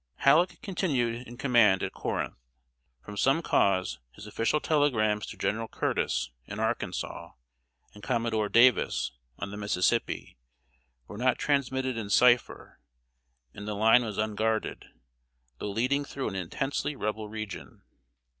] Halleck continued in command at Corinth. From some cause, his official telegrams to General Curtis, in Arkansas, and Commodore Davis, on the Mississippi, were not transmitted in cipher; and the line was unguarded, though leading through an intensely Rebel region.